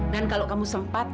dan kalau kamu sempat